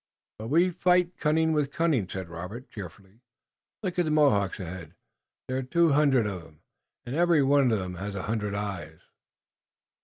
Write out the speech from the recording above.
"But we fight cunning with cunning," said Robert, cheerfully. "Look at the Mohawks ahead. There are two hundred of 'em, and every one of 'em has a hundred eyes."